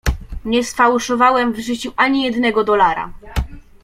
"Nie sfałszowałem w życiu ani jednego dolara."